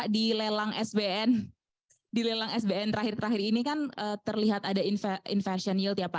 di lelang sbn terakhir terakhir ini kan terlihat ada inversion yield ya pak